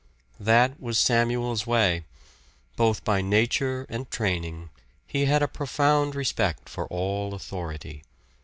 That was Samuel's way. Both by nature and training, he had a profound respect for all authority.